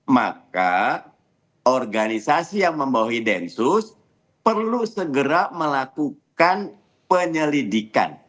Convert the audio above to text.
maka organisasi yang membawahi densus perlu segera melakukan penyelidikan